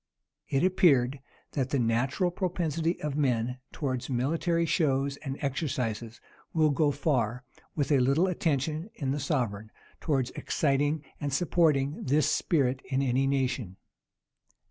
It appeared, that the natural propensity of men towards military shows and exercises will go far, with a little attention in the sovereign, towards exciting and supporting this spirit in any nation.